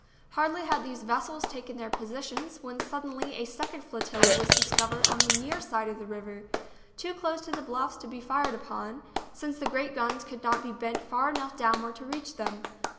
Hardly had these vessels taken their positions when, suddenly, a second flotilla was discovered on the near side of the river, too close to the bluffs to be fired upon, since the great guns could not be bent far enough downward to reach them.